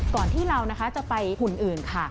ก่อนที่เรานะคะจะไปหุ่นอื่นค่ะ